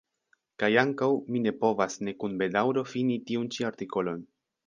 Kaj ankaŭ mi ne povas ne kun bedaŭro fini tiun ĉi artikolon.